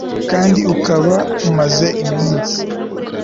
kandi ukaba umaze iminsi